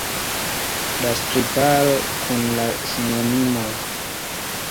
La sliparo kun la sinonimoj.